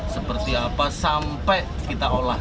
seperti apa sampai kita olah